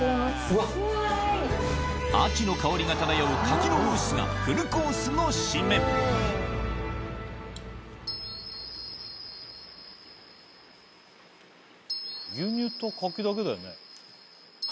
秋の香りが漂う柿のムースがフルコースの締め牛乳と柿だけだよね？